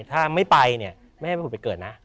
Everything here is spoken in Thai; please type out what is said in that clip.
ถ้าไม่ไปไม่ให้ทหารไปเกิดนะ